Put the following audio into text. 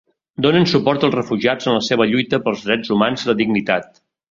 Donen suport als refugiats en la seva lluita pels drets humans i la dignitat.